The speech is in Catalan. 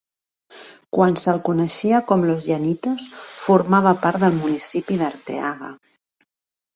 Quan se'l coneixia com Los Llanitos, formava part del municipi d'Arteaga.